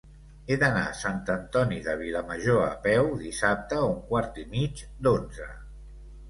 He d'anar a Sant Antoni de Vilamajor a peu dissabte a un quart i mig d'onze.